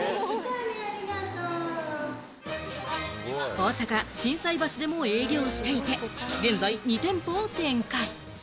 大阪・心斎橋でも営業していて、現在２店舗を展開。